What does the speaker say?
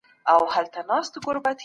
د پښتون غیرت په تاریخ کي ثبت سوی دی.